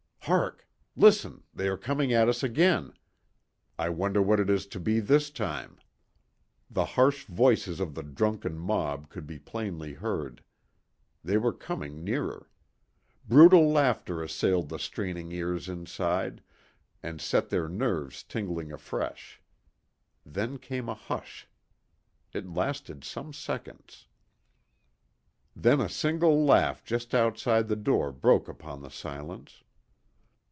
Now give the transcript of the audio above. Hark! Listen, they are coming at us again. I wonder what it is to be this time." The harsh voices of the drunken mob could be plainly heard. They were coming nearer. Brutal laughter assailed the straining ears inside, and set their nerves tingling afresh. Then came a hush. It lasted some seconds. Then a single laugh just outside the door broke upon the silence.